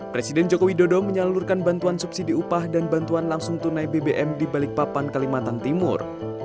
presiden joko widodo menyalurkan bantuan subsidi upah dan bantuan langsung tunai bbm di balikpapan kalimantan timur